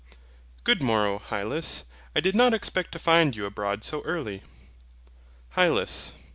Good morrow, Hylas: I did not expect to find you abroad so early. HYLAS.